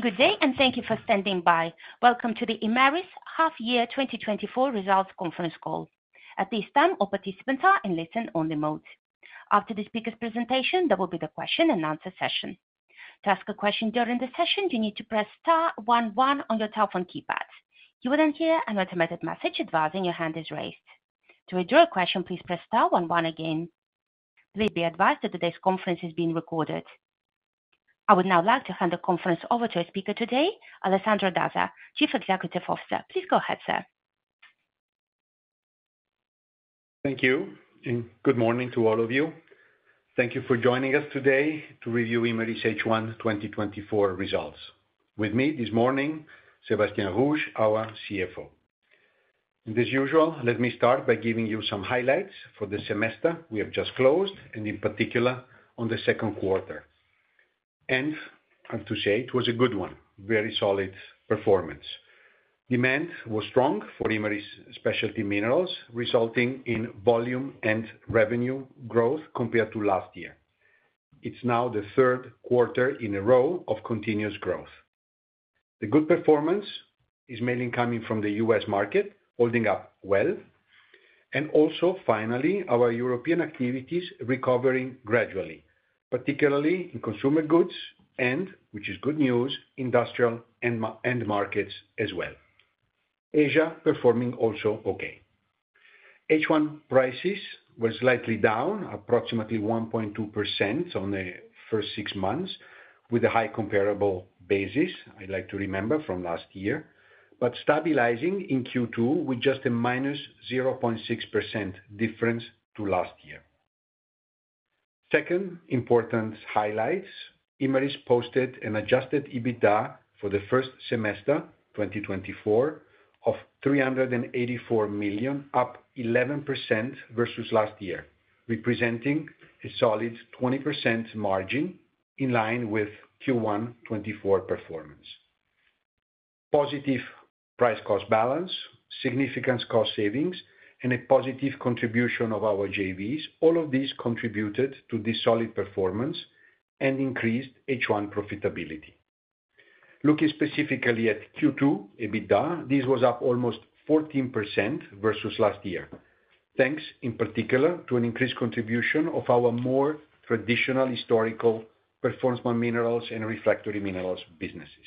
Good day, and thank you for standing by. Welcome to the Imerys Half Year 2024 Results Conference Call. At this time, all participants are in listen only mode. After the speaker's presentation, there will be the question and answer session. To ask a question during the session, you need to press star one one on your telephone keypad. You will then hear an automated message advising your hand is raised. To withdraw a question, please press star one one again. Please be advised that today's conference is being recorded. I would now like to hand the conference over to our speaker today, Alessandro Dazza, Chief Executive Officer. Please go ahead, sir. Thank you, and good morning to all of you. Thank you for joining us today to review Imerys H1 2024 results. With me this morning, Sébastien Rouge, our CFO. As usual, let me start by giving you some highlights for the semester we have just closed, and in particular, on the second quarter. I have to say, it was a good one, very solid performance. Demand was strong for Imerys specialty minerals, resulting in volume and revenue growth compared to last year. It's now the third quarter in a row of continuous growth. The good performance is mainly coming from the U.S. market, holding up well, and also finally, our European activities recovering gradually, particularly in consumer goods, and which is good news, industrial end markets as well. Asia, performing also okay. H1 prices were slightly down, approximately 1.2% on the first 6 months, with a high comparable basis, I'd like to remember from last year. But stabilizing in Q2 with just a -0.6% difference to last year. Second important highlights, Imerys posted an adjusted EBITDA for the first semester 2024 of 384 million, up 11% versus last year, representing a solid 20% margin in line with Q1 2024 performance. Positive price-cost balance, significant cost savings, and a positive contribution of our JVs. All of these contributed to this solid performance and increased H1 profitability. Looking specifically at Q2, EBITDA, this was up almost 14% versus last year. Thanks in particular, to an increased contribution of our more traditional historical Performance Minerals and refractory minerals businesses.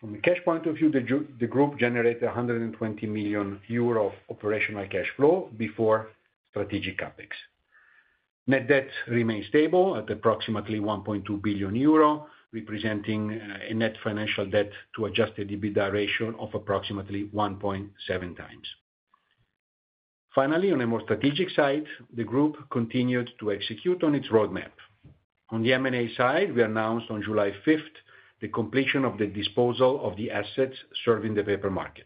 From a cash point of view, the group generated 120 million euro of operational cash flow before strategic CapEx. Net debt remains stable at approximately 1.2 billion euro, representing a net financial debt to adjusted EBITDA ratio of approximately 1.7x. Finally, on a more strategic side, the group continued to execute on its roadmap. On the M&A side, we announced on July fifth the completion of the disposal of the assets serving the paper market.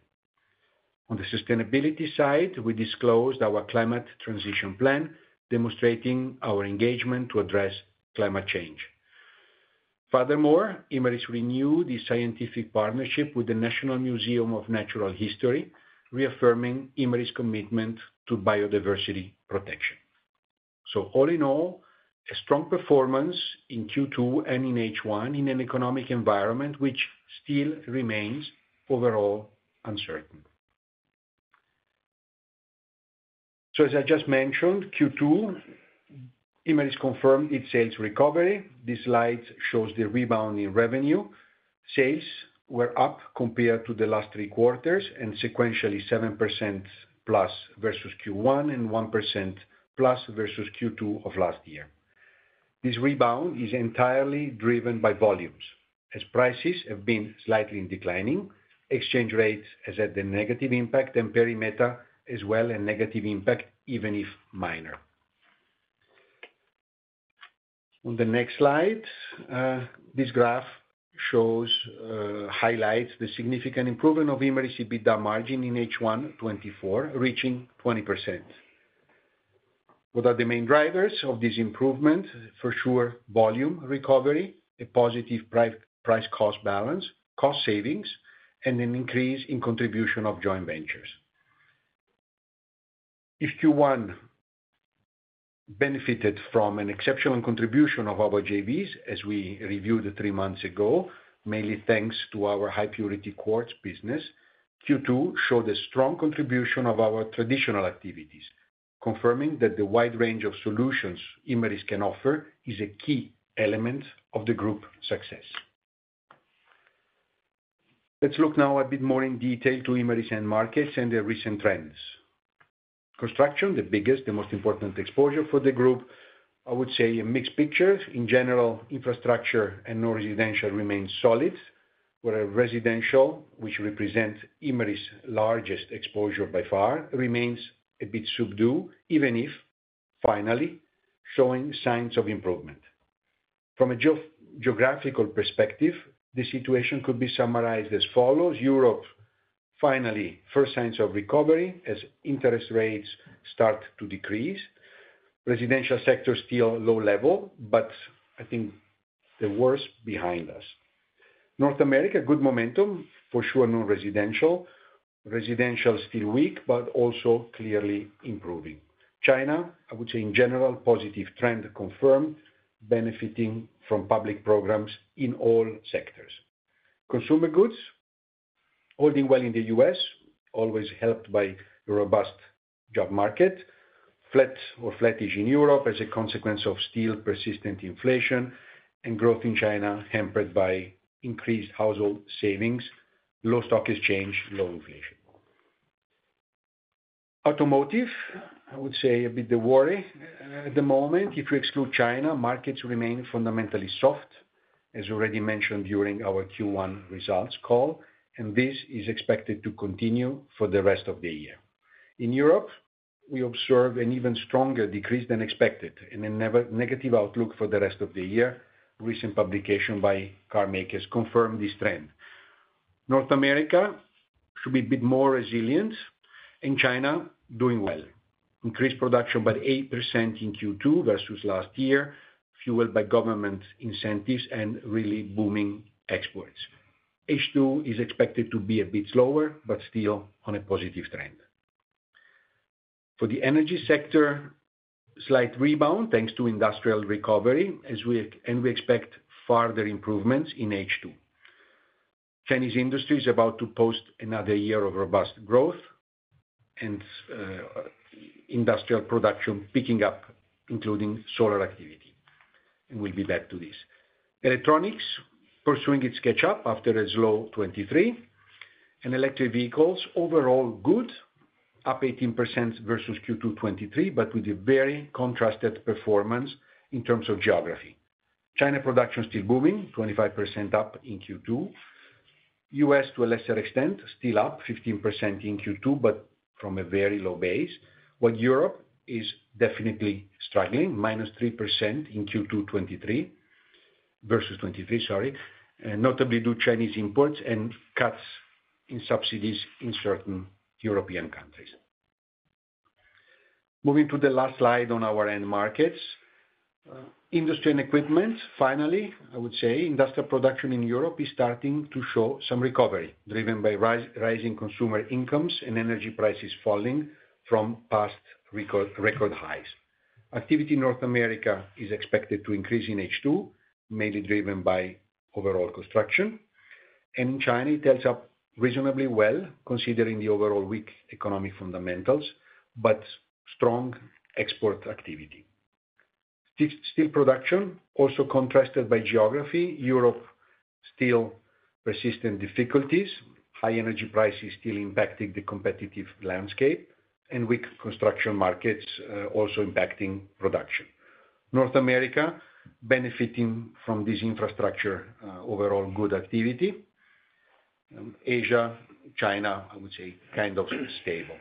On the sustainability side, we disclosed our climate transition plan, demonstrating our engagement to address climate change. Furthermore, Imerys renew the scientific partnership with the National Museum of Natural History, reaffirming Imerys' commitment to biodiversity protection. So all in all, a strong performance in Q2 and in H1 in an economic environment which still remains overall uncertain. So as I just mentioned, Q2, Imerys confirmed its sales recovery. This slide shows the rebound in revenue. Sales were up compared to the last three quarters, and sequentially, 7%+ versus Q1, and 1%+ versus Q2 of last year. This rebound is entirely driven by volumes, as prices have been slightly declining, exchange rates has had a negative impact, and perimeter as well, a negative impact, even if minor. On the next slide, this graph shows, highlights the significant improvement of Imerys EBITDA margin in H1 2024, reaching 20%. What are the main drivers of this improvement? For sure, volume recovery, a positive price cost balance, cost savings, and an increase in contribution of joint ventures. If Q1 benefited from an exceptional contribution of our JVs, as we reviewed three months ago, mainly thanks to our high purity quartz business, Q2 showed a strong contribution of our traditional activities, confirming that the wide range of solutions Imerys can offer is a key element of the group's success. Let's look now a bit more in detail to Imerys' end markets and their recent trends. Construction, the biggest, the most important exposure for the group, I would say a mixed picture. In general, infrastructure and non-residential remains solid, where residential, which represents Imerys' largest exposure by far, remains a bit subdued, even if finally showing signs of improvement. From a geographical perspective, the situation could be summarized as follows: Europe, finally, first signs of recovery as interest rates start to decrease. Residential sector, still low level, but I think the worst behind us.... North America, good momentum, for sure non-residential. Residential is still weak, but also clearly improving. China, I would say, in general, positive trend confirmed, benefiting from public programs in all sectors. Consumer goods, holding well in the U.S., always helped by the robust job market. Flat or flattish in Europe as a consequence of still persistent inflation, and growth in China hampered by increased household savings, low stock exchange, low inflation. Automotive, I would say, a bit the worry, at the moment. If you exclude China, markets remain fundamentally soft, as already mentioned during our Q1 results call, and this is expected to continue for the rest of the year. In Europe, we observe an even stronger decrease than expected and a negative outlook for the rest of the year. Recent publication by car makers confirmed this trend. North America should be a bit more resilient, and China doing well. Increased production by 8% in Q2 versus last year, fueled by government incentives and really booming exports. H2 is expected to be a bit slower, but still on a positive trend. For the energy sector, slight rebound, thanks to industrial recovery, and we expect further improvements in H2. Chinese industry is about to post another year of robust growth and, industrial production picking up, including solar activity, and we'll be back to this. Electronics, pursuing its catch up after a slow 2023. Electric vehicles, overall good, up 18% versus Q2 2023, but with a very contrasted performance in terms of geography. China production still booming, 25% up in Q2. U.S., to a lesser extent, still up 15% in Q2, but from a very low base. While Europe is definitely struggling, -3% in Q2 2023 versus 2023, sorry, notably to Chinese imports and cuts in subsidies in certain European countries. Moving to the last slide on our end markets. Industry and equipment, finally, I would say, industrial production in Europe is starting to show some recovery, driven by rising consumer incomes and energy prices falling from past record highs. Activity in North America is expected to increase in H2, mainly driven by overall construction. And in China, it adds up reasonably well, considering the overall weak economic fundamentals, but strong export activity. Steel production, also contrasted by geography. Europe, still persistent difficulties, high energy prices still impacting the competitive landscape and weak construction markets, also impacting production. North America, benefiting from this infrastructure, overall good activity. Asia, China, I would say, kind of stable.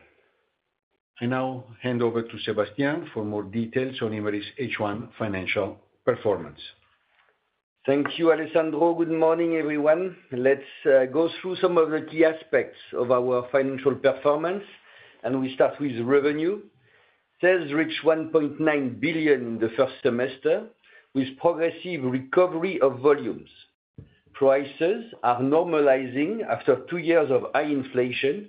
I now hand over to Sébastien for more details on Imerys' H1 financial performance. Thank you, Alessandro. Good morning, everyone. Let's go through some of the key aspects of our financial performance, and we start with revenue. Sales reached 1.9 billion in the first semester, with progressive recovery of volumes. Prices are normalizing after two years of high inflation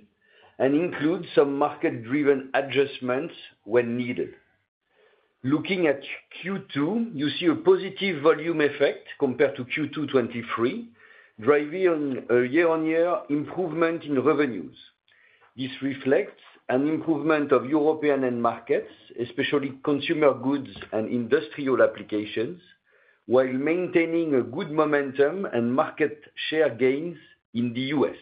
and includes some market-driven adjustments when needed. Looking at Q2, you see a positive volume effect compared to Q2 2023, driving on a year-on-year improvement in revenues. This reflects an improvement of European end markets, especially consumer goods and industrial applications, while maintaining a good momentum and market share gains in the US.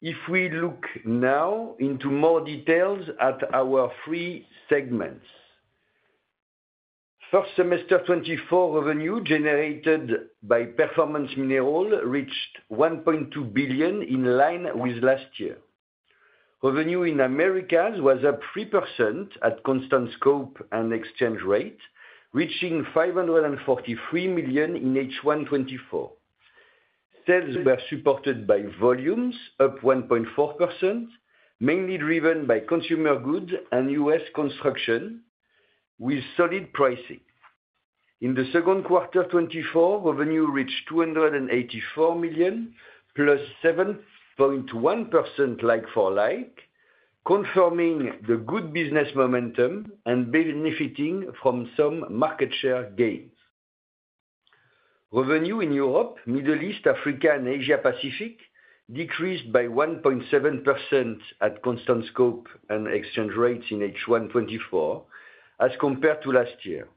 If we look now into more details at our three segments. First semester 2024 revenue generated by Performance Minerals reached 1.2 billion, in line with last year. Revenue in Americas was up 3% at constant scope and exchange rate, reaching 543 million in H1 2024. Sales were supported by volumes up 1.4%, mainly driven by consumer goods and U.S. construction, with solid pricing. In the second quarter 2024, revenue reached 284 million, +7.1% like for like, confirming the good business momentum and benefiting from some market share gains. Revenue in Europe, Middle East, Africa, and Asia Pacific decreased by 1.7% at constant scope and exchange rates in H1 2024, as compared to last year.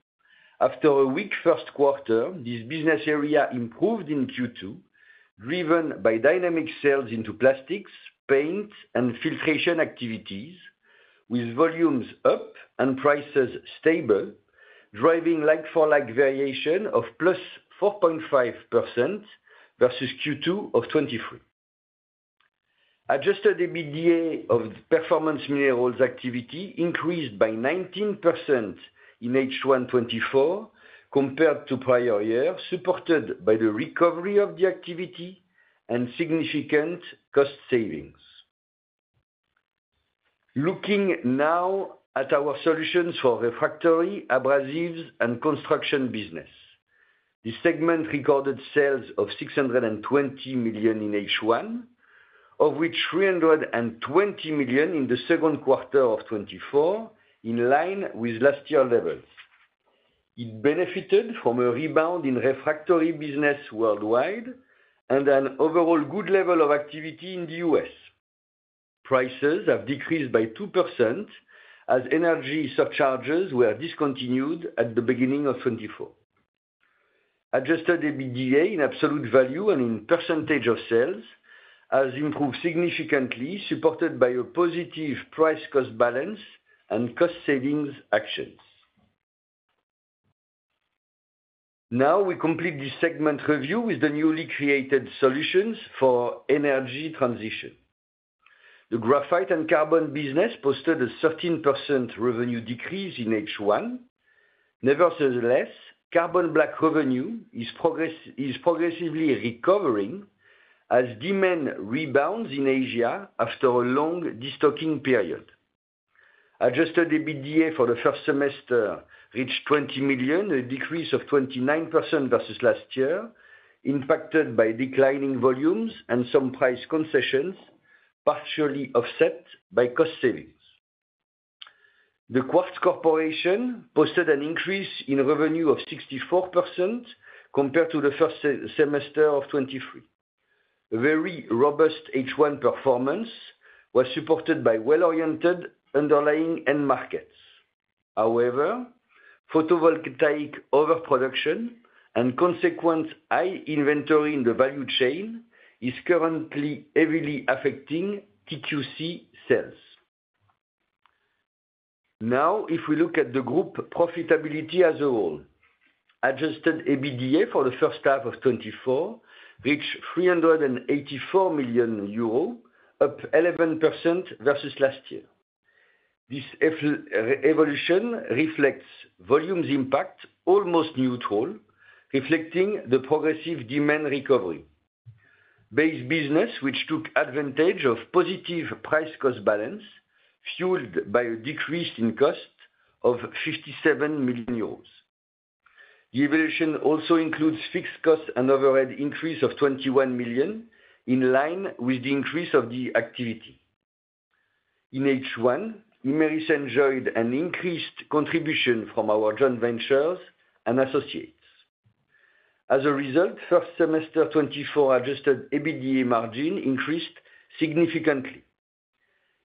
After a weak first quarter, this business area improved in Q2, driven by dynamic sales into plastics, paints, and filtration activities, with volumes up and prices stable, driving like for like variation of +4.5% versus Q2 of 2023. Adjusted EBITDA of the Performance Minerals activity increased by 19% in H1 2024, compared to prior year, supported by the recovery of the activity and significant cost savings. Looking now at our Solutions for Refractory, Abrasives and Construction business. This segment recorded sales of 620 million in H1 2024, of which 320 million in the second quarter of 2024, in line with last year levels. It benefited from a rebound in refractory business worldwide and an overall good level of activity in the U.S. Prices have decreased by 2% as energy surcharges were discontinued at the beginning of 2024. Adjusted EBITDA in absolute value and in percentage of sales, has improved significantly, supported by a positive price-cost balance and cost savings actions. Now, we complete this segment review with the newly created Solutions for Energy Transition. The graphite and carbon business posted a 13% revenue decrease in H1. Nevertheless, carbon black revenue is progressively recovering as demand rebounds in Asia after a long destocking period. Adjusted EBITDA for the first semester reached 20 million, a decrease of 29% versus last year, impacted by declining volumes and some price concessions, partially offset by cost savings. The Quartz Corporation posted an increase in revenue of 64% compared to the first semester of 2023. Very robust H1 performance was supported by well-oriented underlying end markets. However, photovoltaic overproduction and consequent high inventory in the value chain is currently heavily affecting TQC sales. Now, if we look at the group profitability as a whole, adjusted EBITDA for the first half of 2024 reached 384 million euro, up 11% versus last year. This evolution reflects volumes impact almost neutral, reflecting the progressive demand recovery. Base business, which took advantage of positive price-cost balance, fueled by a decrease in cost of 57 million euros. The evolution also includes fixed costs and overhead increase of 21 million, in line with the increase of the activity. In H1, Imerys enjoyed an increased contribution from our joint ventures and associates. As a result, first semester 2024 adjusted EBITDA margin increased significantly.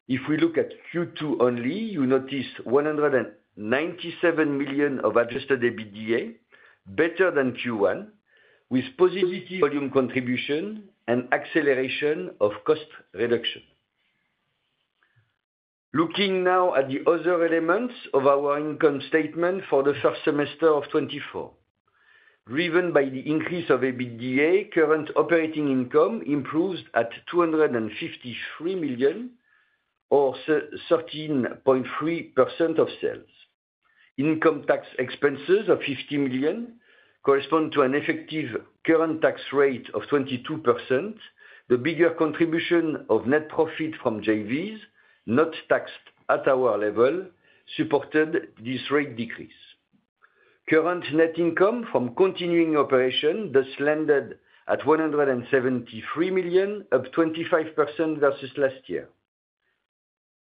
If we look at Q2 only, you notice 197 million of adjusted EBITDA, better than Q1, with positive volume contribution and acceleration of cost reduction. Looking now at the other elements of our income statement for the first semester of 2024. Driven by the increase of EBITDA, current operating income improved at 253 million or 13.3% of sales. Income tax expenses of 50 million correspond to an effective current tax rate of 22%. The bigger contribution of net profit from JVs, not taxed at our level, supported this rate decrease. Current net income from continuing operation thus landed at 173 million, up 25% versus last year.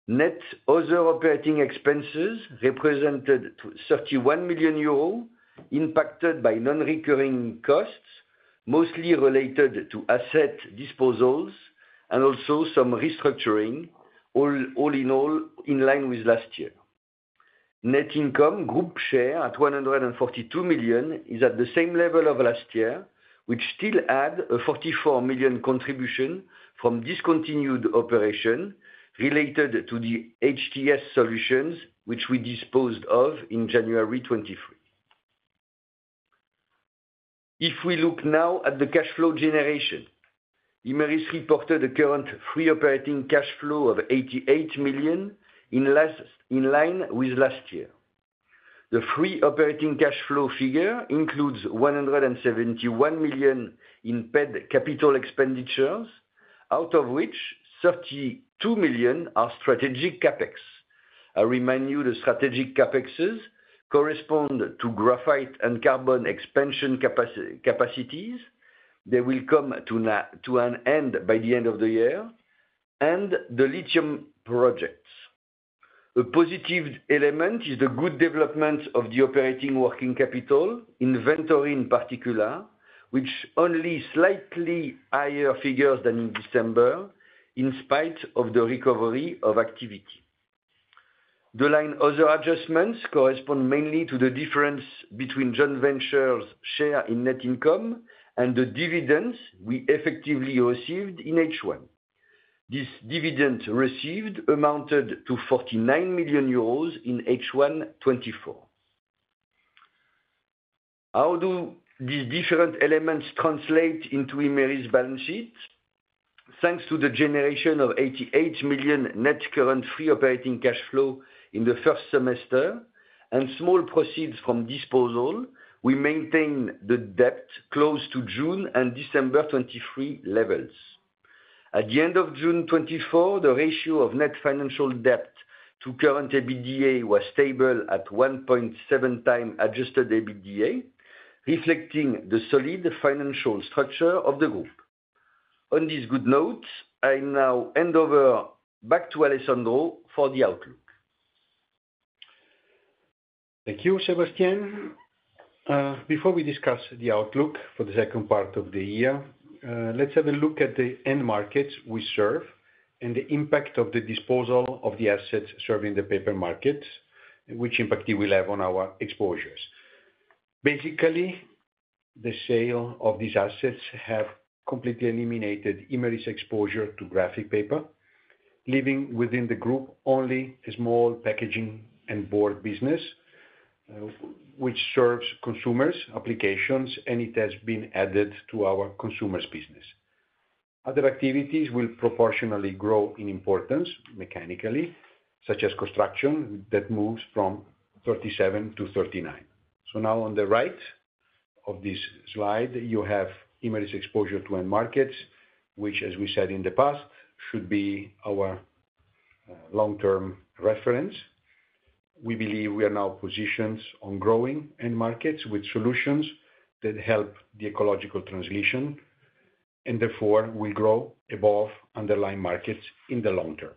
Net other operating expenses represented 31 million euros, impacted by non-recurring costs, mostly related to asset disposals and also some restructuring, all in all, in line with last year. Net income group share at 142 million is at the same level of last year, which still had a 44 million contribution from discontinued operation related to the HTS Solutions, which we disposed of in January 2023. If we look now at the cash flow generation, Imerys reported a current free operating cash flow of 88 million, in line with last year. The free operating cash flow figure includes 171 million in paid capital expenditures, out of which 32 million are strategic CapEx. I remind you, the strategic CapExes correspond to graphite and carbon expansion capacities. They will come to an end by the end of the year, and the lithium projects. A positive element is the good development of the operating working capital, inventory in particular, which only slightly higher figures than in December, in spite of the recovery of activity. The line other adjustments correspond mainly to the difference between joint ventures' share in net income and the dividends we effectively received in H1. This dividend received amounted to 49 million euros in H1 2024. How do these different elements translate into Imerys' balance sheet? Thanks to the generation of 88 million net current free operating cash flow in the first semester, and small proceeds from disposal, we maintain the debt close to June and December 2023 levels. At the end of June 2024, the ratio of net financial debt to current EBITDA was stable at 1.7x adjusted EBITDA, reflecting the solid financial structure of the group. On this good note, I now hand over back to Alessandro for the outlook. Thank you, Sébastien. Before we discuss the outlook for the second part of the year, let's have a look at the end markets we serve and the impact of the disposal of the assets serving the paper markets, and which impact it will have on our exposures. Basically, the sale of these assets have completely eliminated Imerys' exposure to graphic paper, leaving within the group only a small packaging and board business, which serves consumer applications, and it has been added to our consumer business. Other activities will proportionally grow in importance mechanically, such as construction, that moves from 37 to 39. So now on the right of this slide, you have Imerys exposure to end markets, which, as we said in the past, should be our long-term reference. We believe we are now positioned on growing end markets with solutions that help the ecological transition, and therefore will grow above underlying markets in the long term.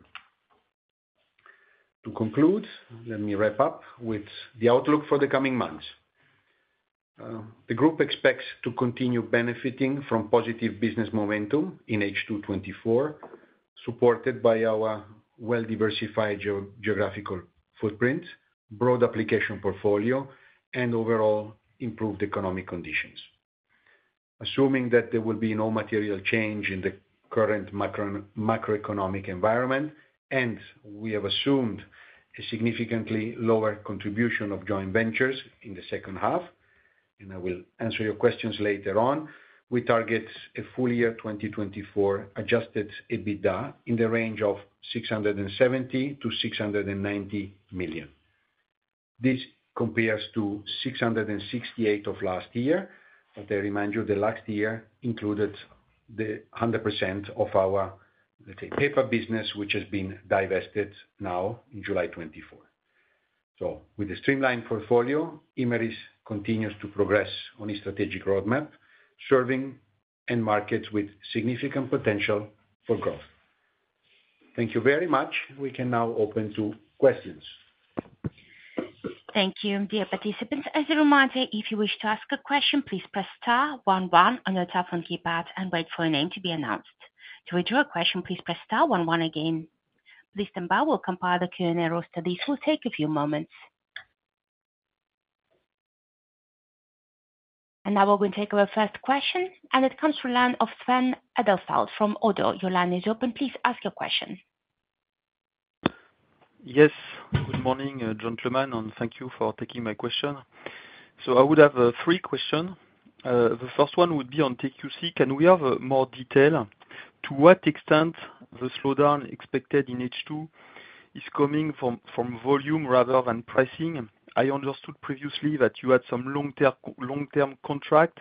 To conclude, let me wrap up with the outlook for the coming months. The group expects to continue benefiting from positive business momentum in H2 2024, supported by our well-diversified geographical footprint, broad application portfolio, and overall improved economic conditions. Assuming that there will be no material change in the current macroeconomic environment, and we have assumed a significantly lower contribution of joint ventures in the second half, and I will answer your questions later on, we target a full year 2024 adjusted EBITDA in the range of 670 million-690 million. This compares to 668 million of last year. But I remind you, the last year included 100% of our, let's say, paper business, which has been divested now in July 2024. So with the streamlined portfolio, Imerys continues to progress on a strategic roadmap, serving end markets with significant potential for growth. Thank you very much. We can now open to questions. Thank you. Dear participants, as a reminder, if you wish to ask a question, please press star one one on your telephone keypad and wait for your name to be announced. To withdraw a question, please press star one one again. Please stand by. We'll compile the Q&A roster. This will take a few moments. And now we will take our first question, and it comes from the line of Sven Gräbedünkel from Oddo. Your line is open. Please ask your question. Yes, good morning, gentlemen, and thank you for taking my question. So I would have three question. The first one would be on TQC. Can we have more detail to what extent the slowdown expected in H2 is coming from volume rather than pricing? I understood previously that you had some long-term, long-term contract.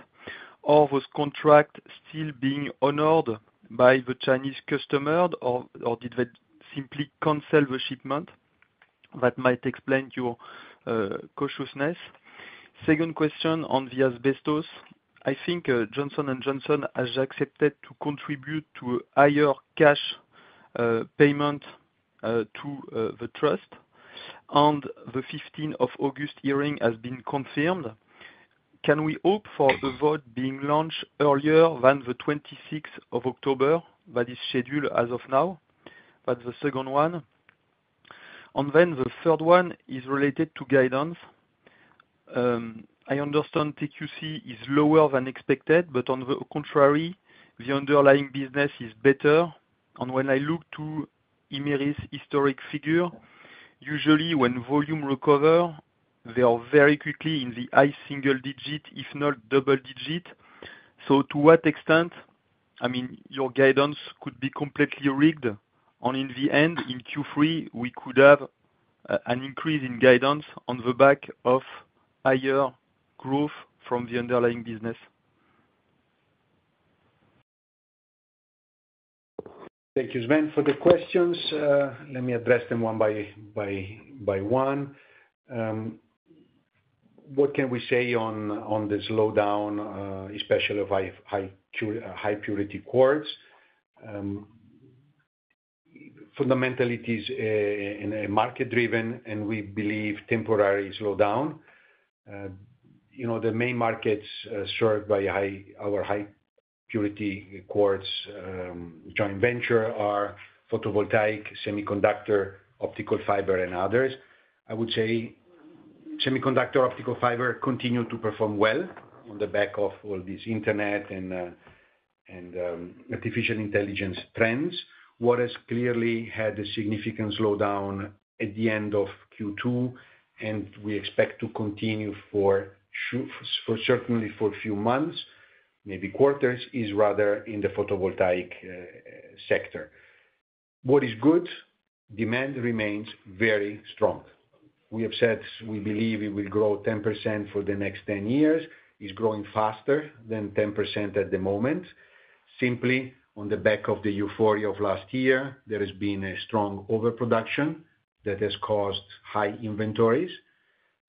Are those contract still being honored by the Chinese customer, or did they simply cancel the shipment? That might explain your cautiousness. Second question on the asbestos. I think Johnson & Johnson has accepted to contribute to higher cash payment to the trust, and the fifteenth of August hearing has been confirmed. Can we hope for the vote being launched earlier than the 26 of October? That is scheduled as of now. That's the second one. And then the third one is related to guidance. I understand TQC is lower than expected, but on the contrary, the underlying business is better. And when I look to Imerys' historic figure, usually when volume recover, they are very quickly in the high single digit, if not double digit. So to what extent, I mean, your guidance could be completely rigged, and in the end, in Q3, we could have an increase in guidance on the back of higher growth from the underlying business? Thank you, Sven, for the questions. Let me address them one by one. What can we say on the slowdown, especially of high purity quartz? Fundamentally it is in a market-driven, and we believe, temporary slowdown. You know, the main markets served by our high purity quartz joint venture are photovoltaic, semiconductor, optical fiber, and others. I would say semiconductor, optical fiber continue to perform well on the back of all this internet and artificial intelligence trends. What has clearly had a significant slowdown at the end of Q2, and we expect to continue for certainly for a few months, maybe quarters, is rather in the photovoltaic sector. What is good? Demand remains very strong. We have said we believe it will grow 10% for the next 10 years. It's growing faster than 10% at the moment, simply on the back of the euphoria of last year. There has been a strong overproduction that has caused high inventories.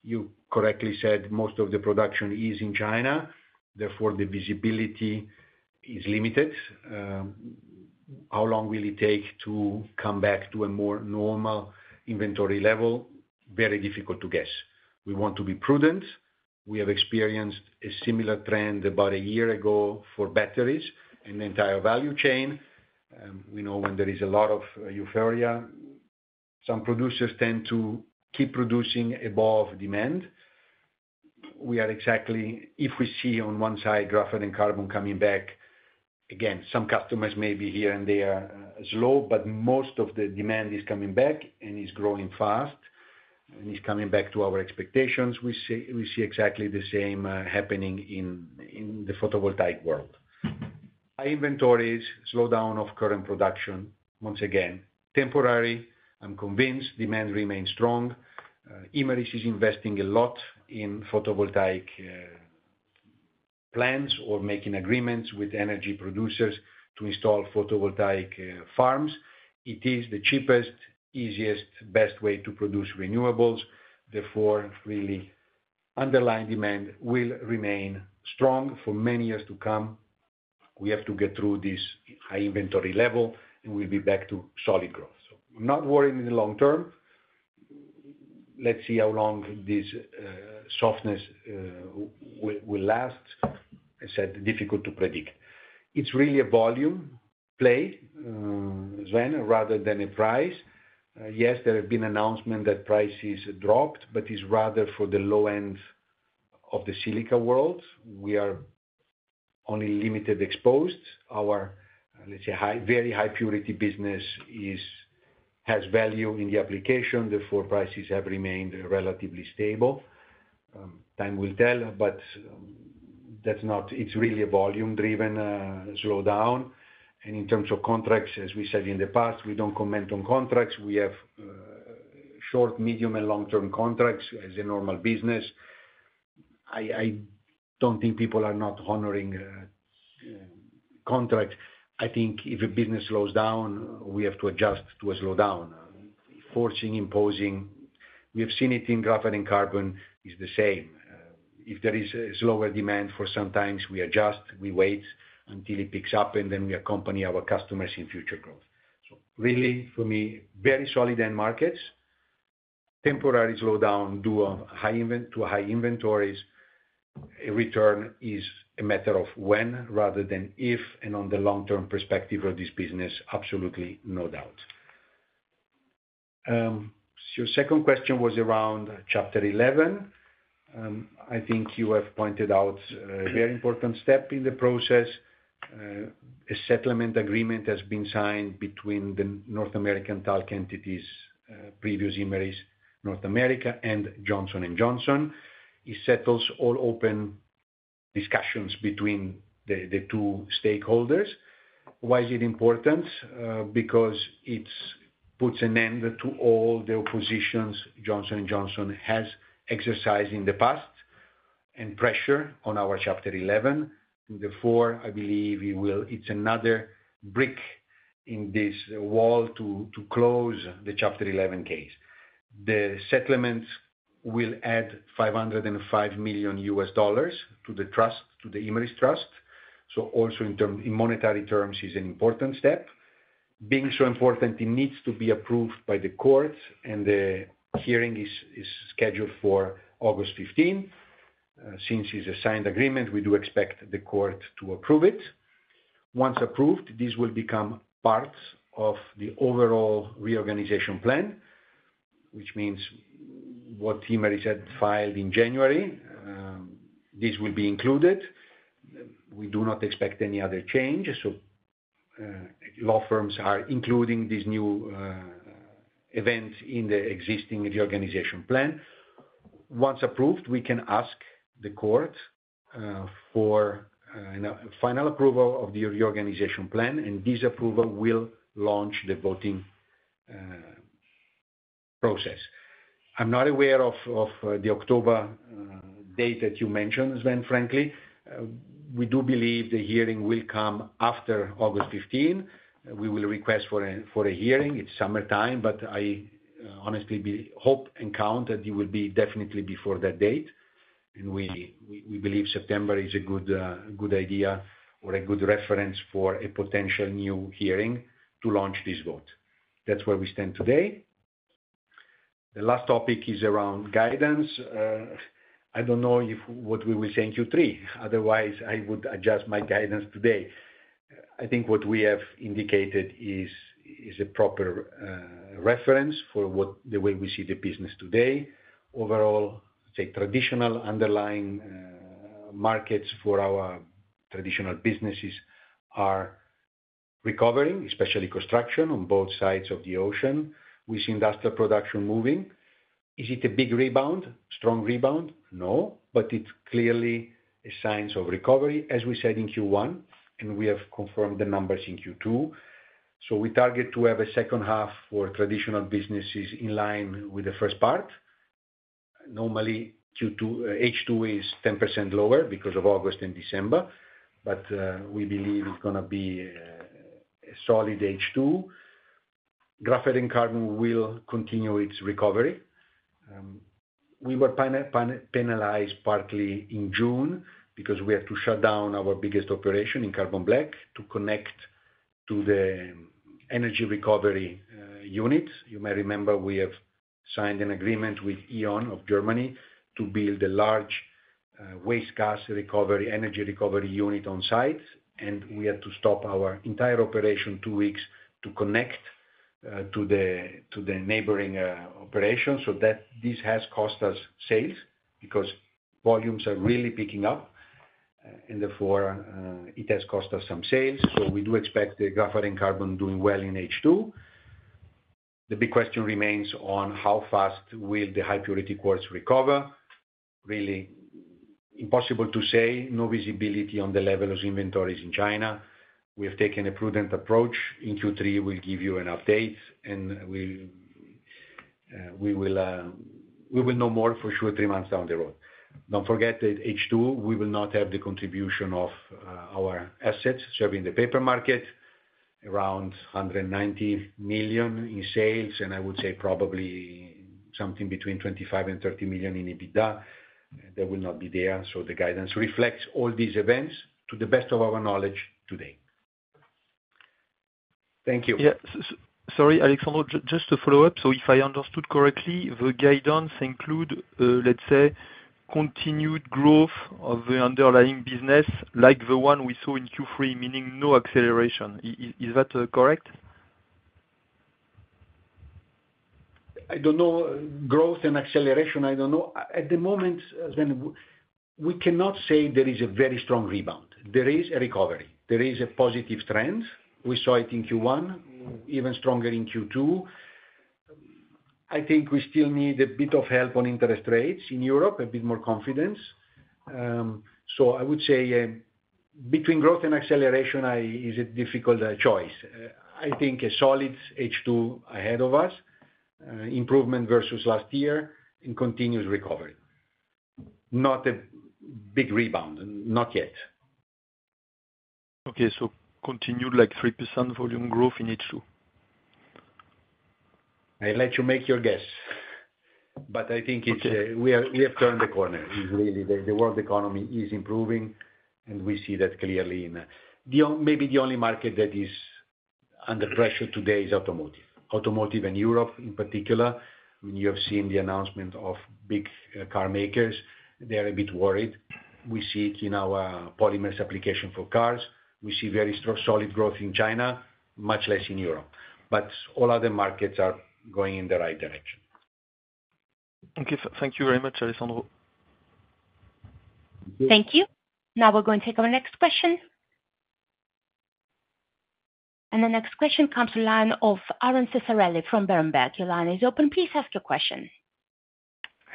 You correctly said most of the production is in China, therefore, the visibility is limited. How long will it take to come back to a more normal inventory level? Very difficult to guess. We want to be prudent. We have experienced a similar trend about a year ago for batteries and the entire value chain. We know when there is a lot of euphoria, some producers tend to keep producing above demand. We are exactly, if we see on one side, graphite and carbon coming back, again, some customers may be here and there slow, but most of the demand is coming back and is growing fast, and is coming back to our expectations. We see, we see exactly the same happening in the photovoltaic world. High inventories, slowdown of current production, once again, temporary. I'm convinced demand remains strong. Imerys is investing a lot in photovoltaic plans or making agreements with energy producers to install photovoltaic farms. It is the cheapest, easiest, best way to produce renewables, therefore, really, underlying demand will remain strong for many years to come. We have to get through this high inventory level, and we'll be back to solid growth. So I'm not worried in the long term. Let's see how long this softness will last. I said, difficult to predict. It's really a volume play, Sven, rather than a price. Yes, there have been announcement that prices dropped, but it's rather for the low end of the silica world. We are only limited exposed. Our, let's say, high, very high purity business is has value in the application, therefore prices have remained relatively stable. Time will tell, but, that's not... It's really a volume-driven slowdown. In terms of contracts, as we said in the past, we don't comment on contracts. We have short, medium, and long-term contracts as a normal business. I don't think people are not honoring contracts. I think if a business slows down, we have to adjust to a slowdown. Forcing, imposing, we've seen it in graphene and carbon, is the same. If there is a slower demand for some times, we adjust, we wait until it picks up, and then we accompany our customers in future growth. So really, for me, very solid end markets, temporary slowdown due to high inventories. A return is a matter of when rather than if, and on the long-term perspective of this business, absolutely no doubt. So your second question was around Chapter 11. I think you have pointed out a very important step in the process. A settlement agreement has been signed between the North American talc entities, previous Imerys North America, and Johnson & Johnson. It settles all open discussions between the two stakeholders. Why is it important? Because it puts an end to all the oppositions Johnson & Johnson has exercised in the past, and pressure on our Chapter 11. Therefore, I believe it will... It's another brick in this wall to close the Chapter 11 case. The settlement will add $505 million to the trust, to the Imerys trust, so also in monetary terms, is an important step. Being so important, it needs to be approved by the court, and the hearing is scheduled for August 15. Since it's a signed agreement, we do expect the court to approve it. Once approved, this will become part of the overall reorganization plan, which means what Imerys had filed in January, this will be included. We do not expect any other changes, so law firms are including these new events in the existing reorganization plan. Once approved, we can ask the court for a final approval of the reorganization plan, and this approval will launch the voting process. I'm not aware of the October date that you mentioned, Sven, frankly. We do believe the hearing will come after August 15. We will request for a hearing. It's summertime, but I honestly hope and count that it will be definitely before that date. We believe September is a good idea or a good reference for a potential new hearing to launch this vote. That's where we stand today. The last topic is around guidance. I don't know what we will say in Q3, otherwise I would adjust my guidance today. I think what we have indicated is a proper reference for what... The way we see the business today. Overall, say, traditional underlying markets for our traditional businesses are recovering, especially construction on both sides of the ocean. We see industrial production moving... Is it a big rebound, strong rebound? No, but it's clearly signs of recovery, as we said in Q1, and we have confirmed the numbers in Q2. So we target to have a second half for traditional businesses in line with the first part. Normally, Q2, H2 is 10% lower because of August and December, but we believe it's gonna be a solid H2. Graphite & Carbon will continue its recovery. We were penalized partly in June, because we had to shut down our biggest operation in carbon black to connect to the energy recovery unit. You may remember we have signed an agreement with E.ON of Germany to build a large, waste gas recovery, energy recovery unit on site, and we had to stop our entire operation two weeks to connect, to the, to the neighboring, operation. So that this has cost us sales, because volumes are really picking up, and therefore, it has cost us some sales. So we do expect the Graphite & Carbon doing well in H2. The big question remains on how fast will the high purity quartz recover. Really impossible to say, no visibility on the level of inventories in China. We have taken a prudent approach. In Q3, we'll give you an update, and we, we will, we will know more for sure three months down the road. Don't forget that H2, we will not have the contribution of our assets serving the paper market, around 190 million in sales, and I would say probably something between 25-30 million in EBITDA. They will not be there, so the guidance reflects all these events to the best of our knowledge today. Thank you. Yeah, sorry, Alessandro, just to follow up. So if I understood correctly, the guidance include, let's say, continued growth of the underlying business, like the one we saw in Q3, meaning no acceleration. Is that correct? I don't know, growth and acceleration, I don't know. At the moment, we cannot say there is a very strong rebound. There is a recovery. There is a positive trend. We saw it in Q1, even stronger in Q2. I think we still need a bit of help on interest rates in Europe, a bit more confidence. So I would say, between growth and acceleration, is a difficult choice. I think a solid H2 ahead of us, improvement versus last year and continuous recovery. Not a big rebound, not yet. Okay, so continued, like, 3% volume growth in H2? I let you make your guess, but I think it's, Okay. We have, we have turned the corner. Really, the world economy is improving, and we see that clearly in the - maybe the only market that is under pressure today is automotive. Automotive in Europe, in particular, you have seen the announcement of big car makers. They are a bit worried. We see it in our polymers application for cars. We see very solid growth in China, much less in Europe, but all other markets are going in the right direction. Okay, thank you very much, Alessandro. Thank you. Now we're going to take our next question. And the next question comes to the line of Aaron Ciccarelli from Berenberg. Your line is open. Please ask your question.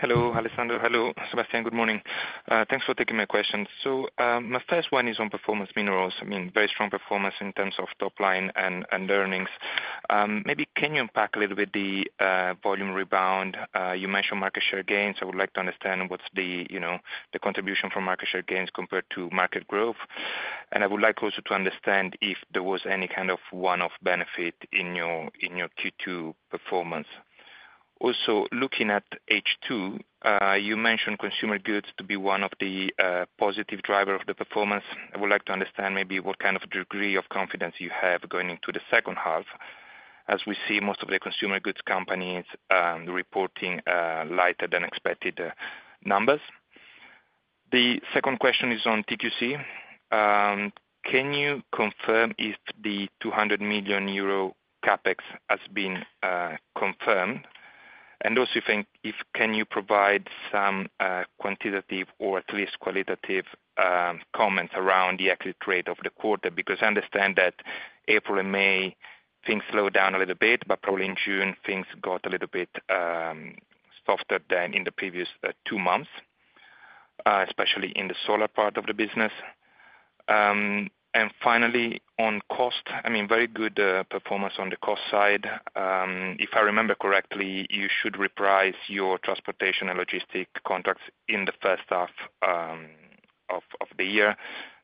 Hello, Alessandro. Hello, Sébastien. Good morning. Thanks for taking my question. So, my first one is on Performance Minerals. I mean, very strong performance in terms of top line and earnings. Maybe can you unpack a little bit the volume rebound? You mentioned market share gains. I would like to understand what's the, you know, the contribution from market share gains compared to market growth. And I would like also to understand if there was any kind of one-off benefit in your Q2 performance. Also, looking at H2, you mentioned consumer goods to be one of the positive driver of the performance. I would like to understand maybe what kind of degree of confidence you have going into the second half, as we see most of the consumer goods companies reporting lighter than expected numbers. The second question is on TQC. Can you confirm if the 200 million euro CapEx has been confirmed? And also think, if can you provide some quantitative or at least qualitative comments around the execute rate of the quarter? Because I understand that April and May, things slowed down a little bit, but probably in June, things got a little bit softer than in the previous two months, especially in the solar part of the business. And finally, on cost, I mean, very good performance on the cost side. If I remember correctly, you should reprice your transportation and logistic contracts in the first half of the year.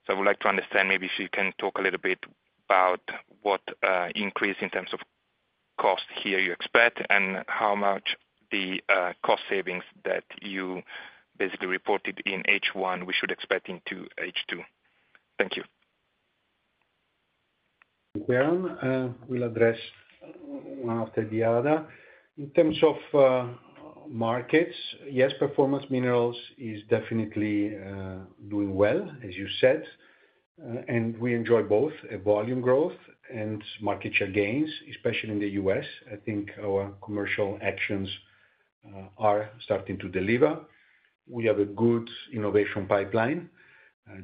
I would like to understand maybe if you can talk a little bit about what increase in terms of cost here you expect, and how much the cost savings that you basically reported in H1 we should expect into H2. Thank you. Well, we'll address one after the other. In terms of markets, yes, Performance Minerals is definitely doing well, as you said, and we enjoy both a volume growth and market share gains, especially in the US. I think our commercial actions are starting to deliver. We have a good innovation pipeline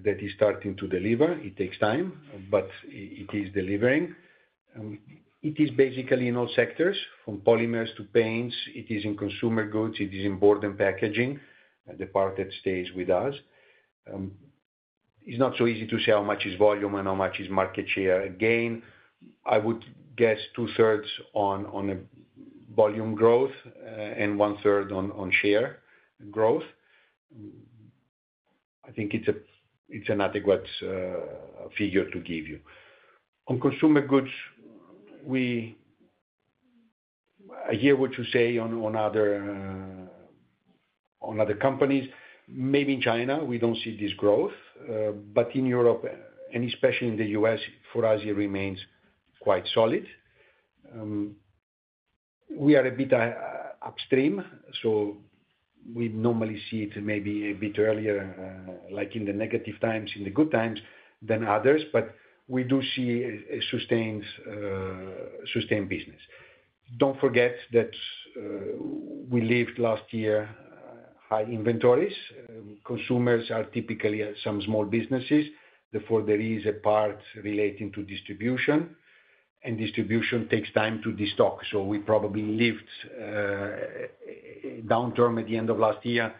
that is starting to deliver. It takes time, but it is delivering. It is basically in all sectors, from polymers to paints, it is in consumer goods, it is in board and packaging, the part that stays with us. It's not so easy to say how much is volume and how much is market share. Again, I would guess 2/3 on a volume growth, and 1/3 on share growth. I think it's an adequate figure to give you. On consumer goods, we—I hear what you say on other companies. Maybe in China, we don't see this growth, but in Europe, and especially in the US, for us, it remains quite solid. We are a bit upstream, so we normally see it maybe a bit earlier, like in the negative times, in the good times, than others, but we do see a sustained business. Don't forget that we left last year high inventories. Consumers are typically some small businesses, therefore there is a part relating to distribution, and distribution takes time to destock. So we probably left a downturn at the end of last year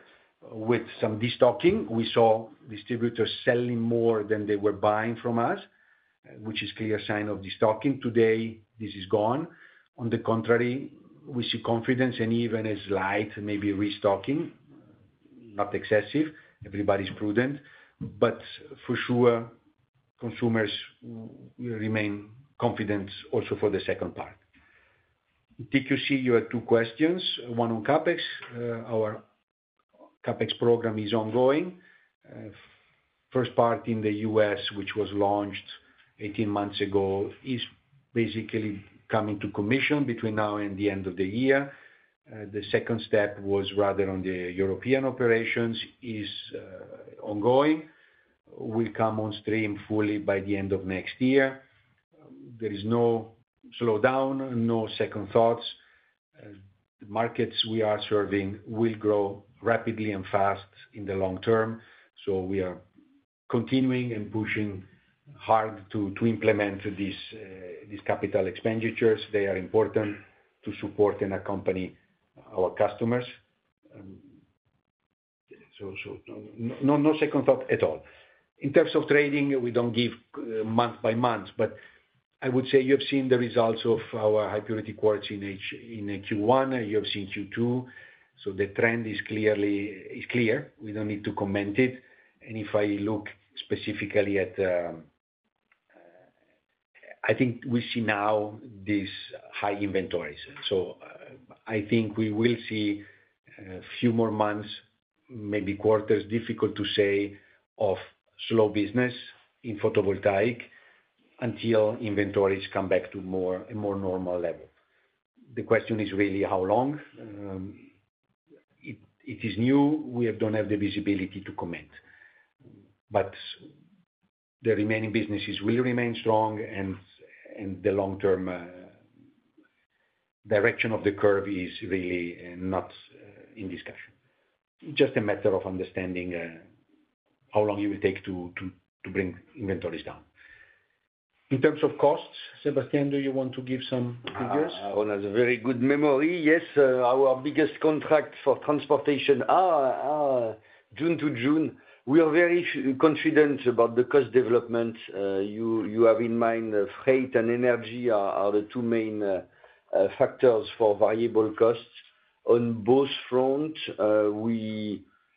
with some destocking. We saw distributors selling more than they were buying from us, which is clear sign of destocking. Today, this is gone. On the contrary, we see confidence and even a slight, maybe restocking, not excessive. Everybody's prudent. But for sure, consumers remain confident also for the second part. Did you see your two questions, one on CapEx? Our CapEx program is ongoing. First part in the U.S., which was launched 18 months ago, is basically coming to commission between now and the end of the year. The second step was rather on the European operations, is ongoing, will come on stream fully by the end of next year. There is no slowdown, no second thoughts. The markets we are serving will grow rapidly and fast in the long term, so we are continuing and pushing hard to implement these capital expenditures. They are important to support and accompany our customers. So, no second thought at all. In terms of trading, we don't give month by month, but I would say you've seen the results of our high purity quartz in Q1, you have seen Q2, so the trend is clearly clear. We don't need to comment it. And if I look specifically at I think we see now these high inventories. So I think we will see a few more months, maybe quarters, difficult to say, of slow business in photovoltaic until inventories come back to a more normal level. The question is really how long? It is new. We don't have the visibility to comment, but the remaining businesses will remain strong and the long term direction of the curve is really not in discussion. Just a matter of understanding how long it will take to bring inventories down. In terms of costs, Sébastien, do you want to give some figures? Aaron has a very good memory. Yes, our biggest contract for transportation are June to June. We are very confident about the cost development. You have in mind, freight and energy are the two main factors for variable costs. On both fronts,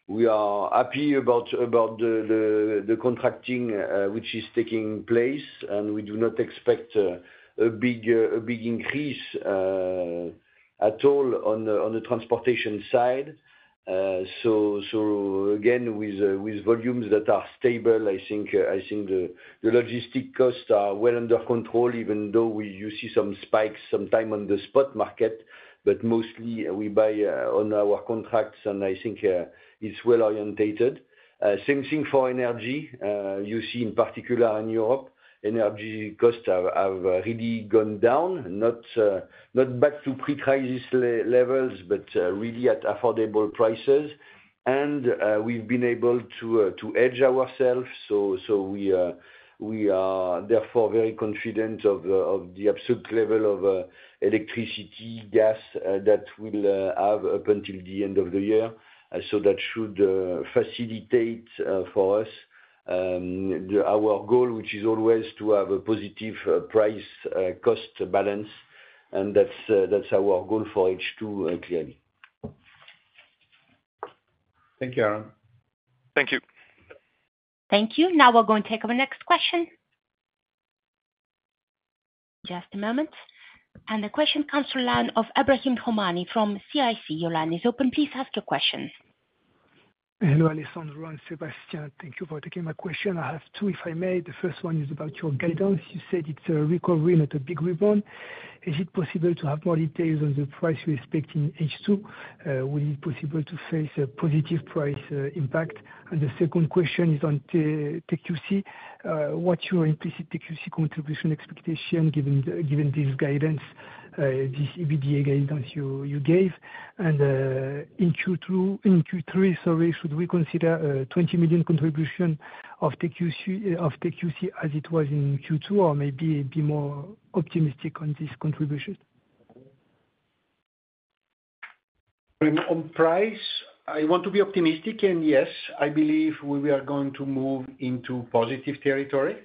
we are happy about the contracting which is taking place, and we do not expect a big increase at all on the transportation side. So again, with volumes that are stable, I think the logistic costs are well under control, even though you see some spikes sometimes on the spot market, but mostly we buy on our contracts, and I think it's well oriented. Same thing for energy. You see in particular in Europe, energy costs have really gone down, not back to pre-crisis levels, but really at affordable prices. We've been able to hedge ourselves, so we are therefore very confident of the absolute level of electricity, gas that we will have up until the end of the year. So that should facilitate for us our goal, which is always to have a positive price-cost balance, and that's our goal for H2, clearly. Thank you, Aaron. Thank you. Thank you. Now we're going to take our next question. Just a moment. The question comes to line of Ebrahim Homani from CIC. Your line is open, please ask your question. Hello, Alessandro and Sébastien. Thank you for taking my question. I have two, if I may. The first one is about your guidance. You said it's a recovery, not a big rebound... Is it possible to have more details on the price we expect in H2? Will it be possible to face a positive price impact? And the second question is on TQC. What's your implicit TQC contribution expectation, given this guidance, this EBITDA guidance you gave? And in Q3, sorry, should we consider a 20 million contribution of TQC as it was in Q2, or maybe be more optimistic on this contribution? On price, I want to be optimistic, and yes, I believe we are going to move into positive territory.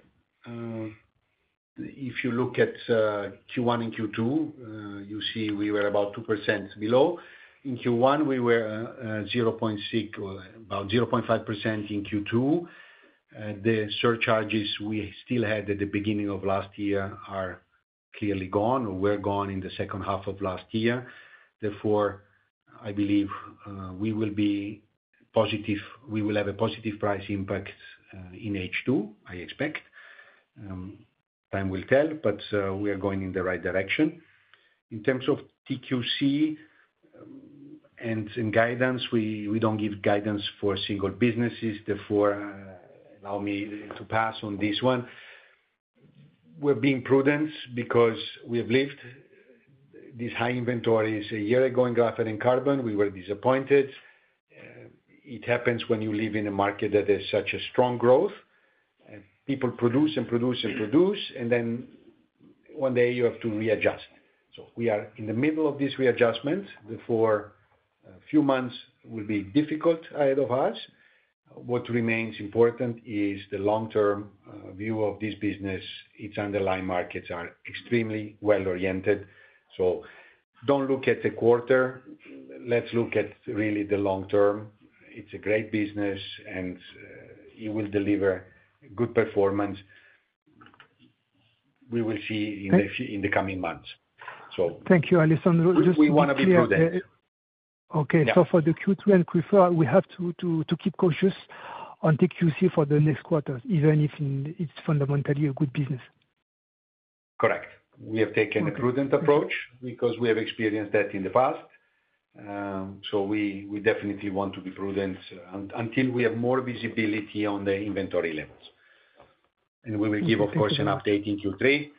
If you look at Q1 and Q2, you see we were about 2% below. In Q1, we were 0.6, or about 0.5% in Q2. The surcharges we still had at the beginning of last year are clearly gone or were gone in the second half of last year. Therefore, I believe we will be positive - we will have a positive price impact in H2, I expect. Time will tell, but we are going in the right direction. In terms of TQC and in guidance, we don't give guidance for single businesses. Therefore, allow me to pass on this one. We're being prudent, because we have lived these high inventories a year ago in Graphite and Carbon, we were disappointed. It happens when you live in a market that has such a strong growth, and people produce and produce and produce, and then one day you have to readjust. So we are in the middle of this readjustment. Therefore, a few months will be difficult ahead of us. What remains important is the long-term view of this business. Its underlying markets are extremely well-oriented. So don't look at the quarter, let's look at really the long term. It's a great business, and it will deliver good performance. We will see in the- Thank- In the coming months. Thank you, Alessandro. Just to be clear- We wanna be prudent. Okay. Yeah. So for the Q2 and Q4, we have to keep cautious on TQC for the next quarters, even if it's fundamentally a good business? Correct. We have taken- Okay... a prudent approach because we have experienced that in the past. So we definitely want to be prudent until we have more visibility on the inventory levels. Okay. We will give, of course, an update in Q3,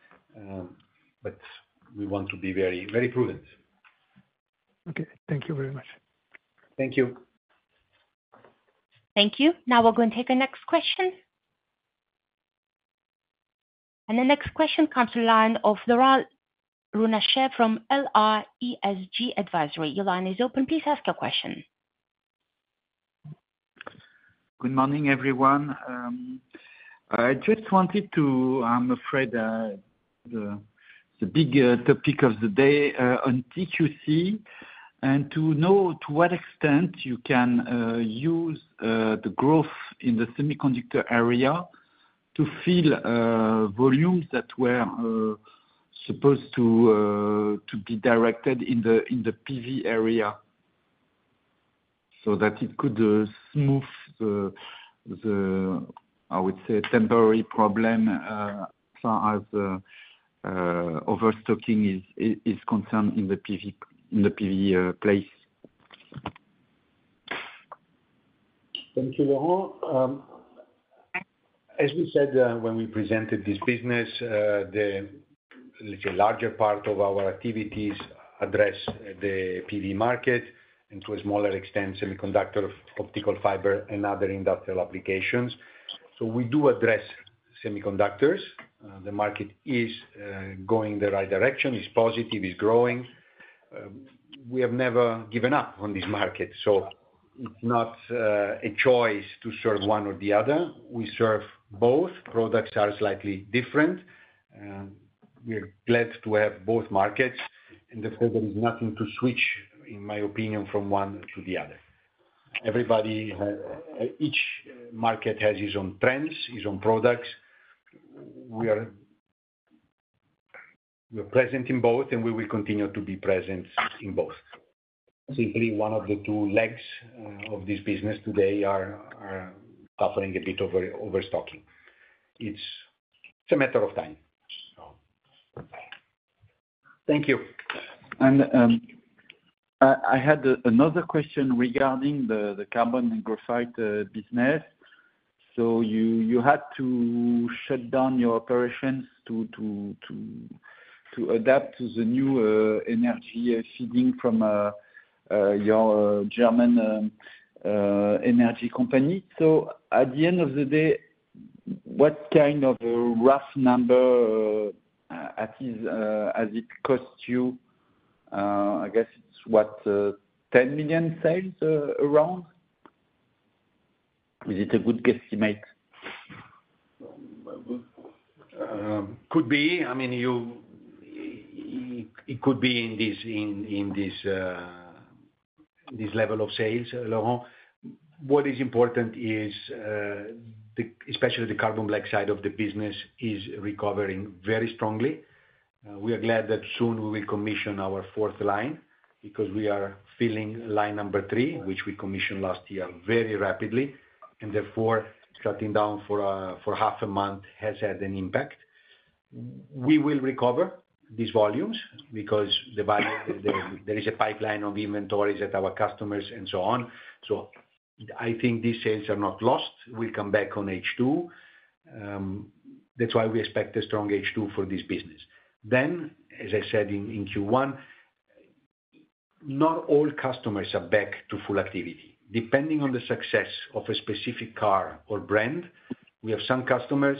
but we want to be very, very prudent. Okay. Thank you very much. Thank you. Thank you. Now, we're going to take the next question. The next question comes to line of Laurent Le Pajolec from ESG Advisory. Your line is open, please ask your question. Good morning, everyone. I just wanted to... I'm afraid, the big topic of the day, on TQC, and to know to what extent you can use the growth in the semiconductor area to fill volumes that were supposed to to be directed in the PV area, so that it could smooth the, the, I would say, temporary problem, as far as overstocking is concerned in the PV place? Thank you, Laurent. As we said, when we presented this business, the, let's say, larger part of our activities address the PV market, and to a smaller extent, semiconductor, optical fiber, and other industrial applications. So we do address semiconductors. The market is, going the right direction. It's positive, it's growing. We have never given up on this market, so it's not, a choice to serve one or the other. We serve both. Products are slightly different, and we're glad to have both markets, and therefore there is nothing to switch, in my opinion, from one to the other. Everybody, each market has its own trends, its own products. We are, we're present in both, and we will continue to be present in both. Simply, one of the two legs, of this business today are, are suffering a bit over overstocking. It's a matter of time, so. Thank you. I had another question regarding the carbon and graphite business. So you had to shut down your operations to adapt to the new energy feeding from your German energy company. So at the end of the day, what kind of a rough number has it cost you? I guess it's what, 10 million sales around? Is it a good guesstimate? I mean, it could be in this level of sales, Laurent. What is important is, especially the carbon black side of the business is recovering very strongly. We are glad that soon we will commission our fourth line, because we are filling line number three, which we commissioned last year, very rapidly, and therefore, shutting down for half a month has had an impact. We will recover these volumes because there is a pipeline of inventories at our customers and so on. So I think these sales are not lost, will come back on H2. That's why we expect a strong H2 for this business. Then, as I said in Q1, not all customers are back to full activity. Depending on the success of a specific car or brand, we have some customers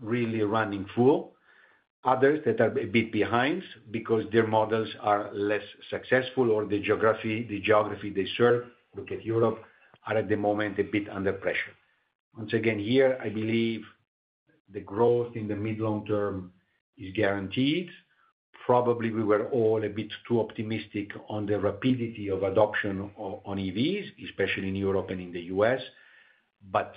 really running full, others that are a bit behind because their models are less successful, or the geography, the geography they serve, look at Europe, are at the moment a bit under pressure. Once again, here, I believe the growth in the mid long term is guaranteed. Probably, we were all a bit too optimistic on the rapidity of adoption on EVs, especially in Europe and in the US. But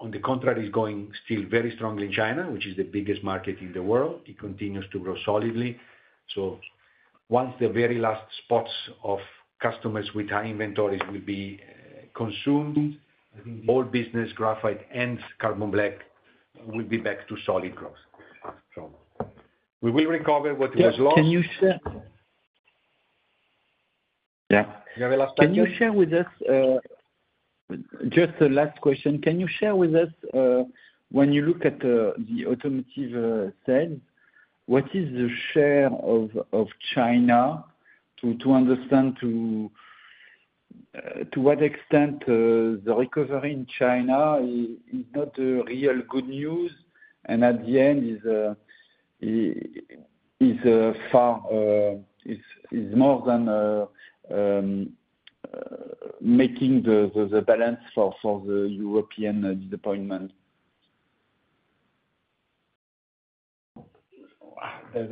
on the contrary, is going still very strongly in China, which is the biggest market in the world. It continues to grow solidly. So once the very last spots of customers with high inventories will be consumed, I think all business, graphite and carbon black, will be back to solid growth. So we will recover what was lost. Can you share- Yeah. You have a last question? Can you share with us. Just a last question. Can you share with us, when you look at the automotive side, what is the share of China to understand to what extent the recovery in China is not a real good news, and at the end is far more than making the balance for the European deployment?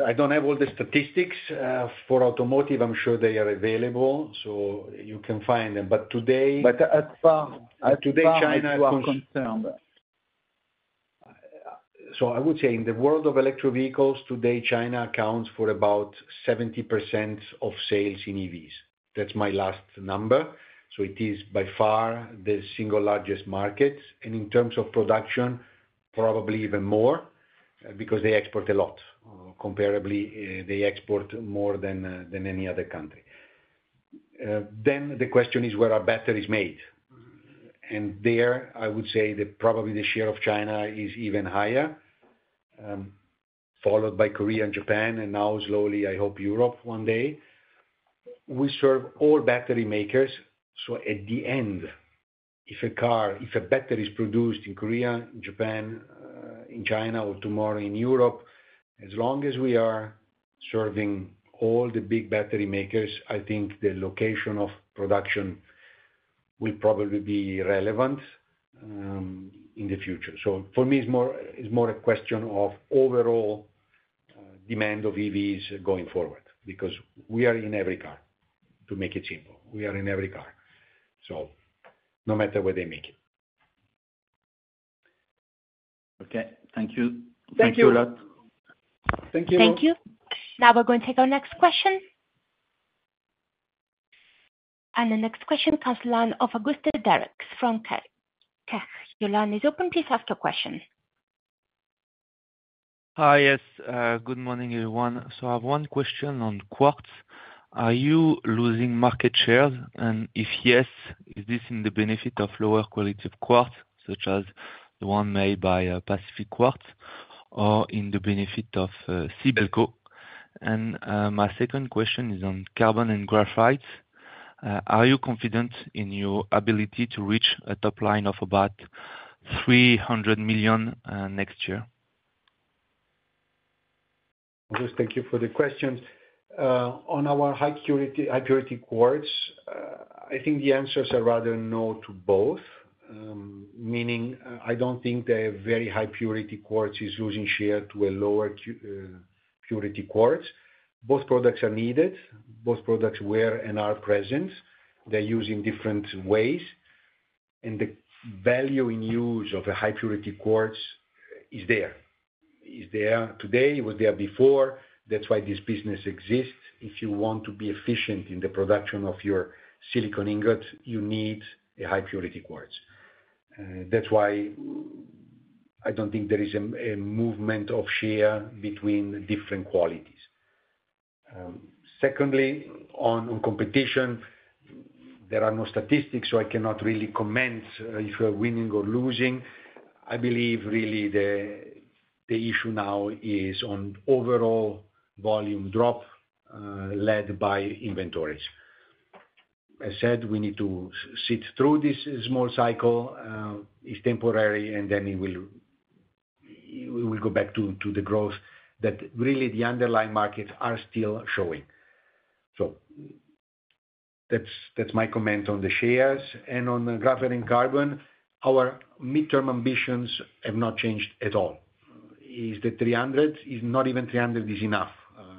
I don't have all the statistics for automotive. I'm sure they are available, so you can find them. But today- But at far- Today, China- As far as you are concerned. So I would say in the world of electric vehicles, today, China accounts for about 70% of sales in EVs. That's my last number, so it is by far the single largest market. And in terms of production, probably even more, because they export a lot. Comparably, they export more than any other country. Then the question is, where are batteries made? And there, I would say that probably the share of China is even higher, followed by Korea and Japan, and now slowly, I hope Europe one day. We serve all battery makers, so at the end, if a battery is produced in Korea, in Japan, in China, or tomorrow in Europe, as long as we are serving all the big battery makers, I think the location of production will probably be relevant, in the future. So for me, it's more, it's more a question of overall demand of EVs going forward, because we are in every car, to make it simple. We are in every car, so no matter where they make it. Okay. Thank you. Thank you. Thank you a lot. Thank you. Thank you. Now we're going to take our next question. The next question comes from the line of Auguste Deryckx from [Kepler Cheuvreux]. Tech, your line is open. Please ask your question. Hi, yes. Good morning, everyone. So I have one question on quartz. Are you losing market shares? And if yes, is this in the benefit of lower quality of quartz, such as the one made by Pacific Quartz or in the benefit of Sibelco? And my second question is on carbon and graphite. Are you confident in your ability to reach a top line of about 300 million next year? Auguste, thank you for the question. On our high purity, high purity quartz, I think the answers are rather no to both. Meaning, I don't think the very high purity quartz is losing share to a lower purity quartz. Both products are needed. Both products were and are present. They're used in different ways, and the value in use of a high purity quartz is there. It's there today, it was there before. That's why this business exists. If you want to be efficient in the production of your silicon ingot, you need a high purity quartz. That's why I don't think there is a movement of share between different qualities. Secondly, on competition, there are no statistics, so I cannot really comment if we're winning or losing. I believe really the issue now is on overall volume drop, led by inventories. I said we need to sit through this small cycle, it's temporary, and then it will... We will go back to the growth that really the underlying markets are still showing. So that's, that's my comment on the shares. And on graphite and carbon, our midterm ambitions have not changed at all. Is the 300, is not even 300 enough.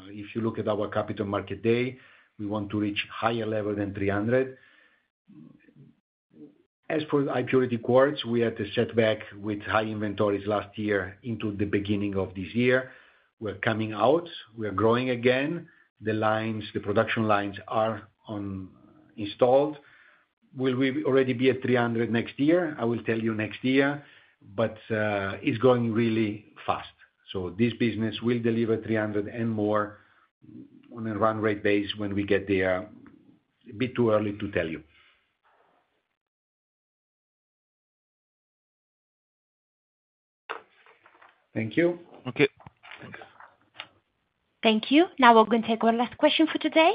If you look at our capital market day, we want to reach higher level than 300. As for high purity quartz, we had a setback with high inventories last year into the beginning of this year. We're coming out. We're growing again. The lines, the production lines are installed.... Will we already be at 300 next year? I will tell you next year, but it's going really fast. So this business will deliver 300 and more on a run-rate basis when we get there. A bit too early to tell you. Thank you. Okay, thanks. Thank you. Now we're going to take one last question for today.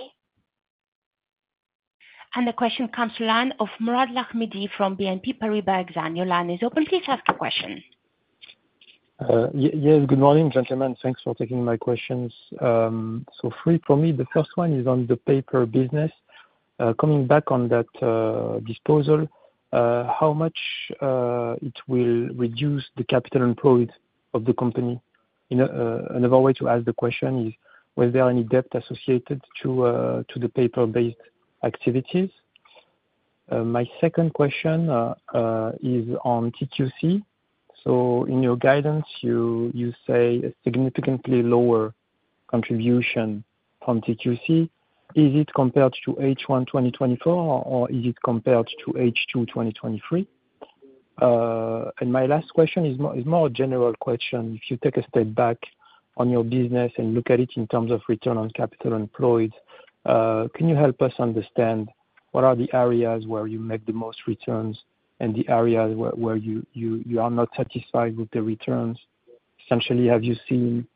The question comes to line of Mourad Lahmidi from BNP Paribas Exane. Your line is open, please ask your question. Yes, good morning, gentlemen. Thanks for taking my questions. So three for me, the first one is on the paper business. Coming back on that disposal, how much it will reduce the capital employed of the company? In another way to ask the question is, was there any debt associated to the paper-based activities? My second question is on TQC. So in your guidance, you say a significantly lower contribution from TQC. Is it compared to H1, 2024, or is it compared to H2, 2023? And my last question is more a general question. If you take a step back on your business and look at it in terms of return on capital employed, can you help us understand what are the areas where you make the most returns and the areas where you are not satisfied with the returns? Essentially, have you seen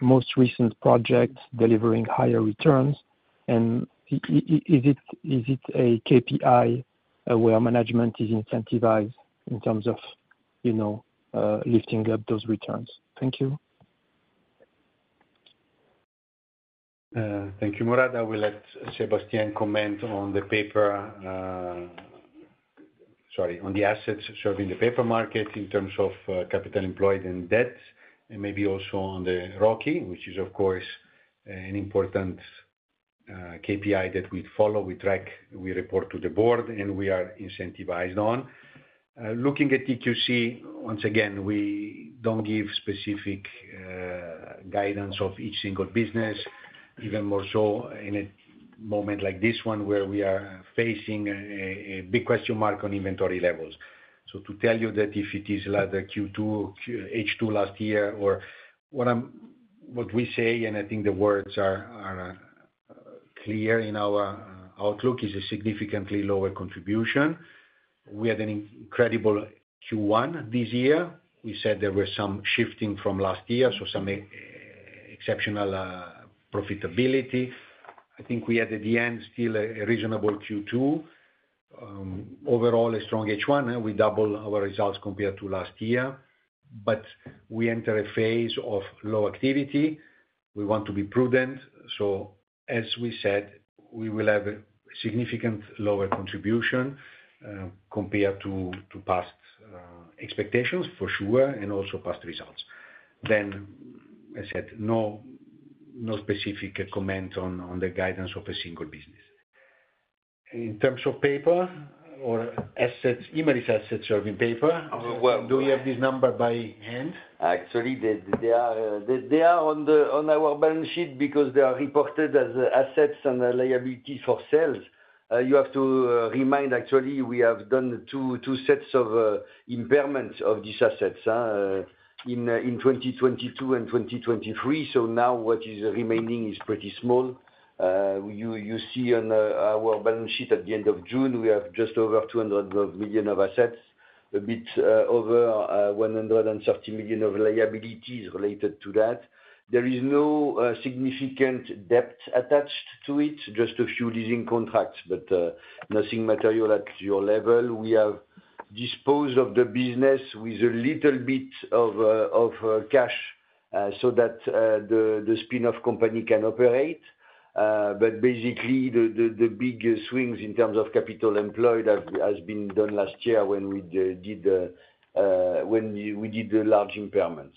most recent projects delivering higher returns? And is it a KPI where management is incentivized in terms of, you know, lifting up those returns? Thank you. Thank you, Mourad. I will let Sébastien comment on the paper. Sorry, on the assets serving the paper market in terms of capital employed and debt, and maybe also on the ROCE, which is, of course, an important KPI that we follow, we track, we report to the board, and we are incentivized on. Looking at TQC, once again, we don't give specific guidance of each single business, even more so in a moment like this one, where we are facing a big question mark on inventory levels. So to tell you that if it is like the Q2, H2 last year, or what we say, and I think the words are clear in our outlook, is a significantly lower contribution. We had an incredible Q1 this year. We said there were some shifting from last year, so some exceptional profitability. I think we had, at the end, still a reasonable Q2. Overall, a strong H1, we double our results compared to last year. But we enter a phase of low activity. We want to be prudent, so as we said, we will have a significant lower contribution compared to past expectations, for sure, and also past results. Then I said, no, no specific comment on the guidance of a single business. In terms of paper or assets, Imerys assets serving paper- Uh, well- Do we have this number by hand? Actually, they are on our balance sheet because they are reported as assets and liabilities for sale. You have to remind actually, we have done two sets of impairment of these assets in 2022 and 2023, so now what is remaining is pretty small. You see on our balance sheet at the end of June, we have just over 200 million of assets, a bit over 130 million of liabilities related to that. There is no significant debt attached to it, just a few leasing contracts, but nothing material at your level. We have disposed of the business with a little bit of cash, so that the big swings in terms of capital employed have has been done last year when we did the large impairments.